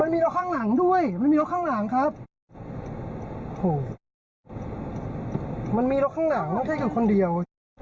มันมีรถข้างหลังไม่ใช่คนเดียว